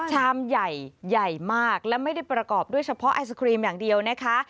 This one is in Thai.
ชามใหญ่ใหญ่มากและไม่ได้ประกอบด้วยเฉพาะไอศครีมอย่างเดียวนะคะ